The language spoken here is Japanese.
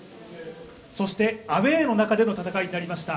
そしてアウェーの中での戦いになりました。